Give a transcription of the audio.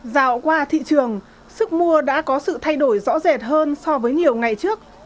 dạo qua thị trường sức mua đã có sự thay đổi rõ rệt hơn so với nhiều ngày trước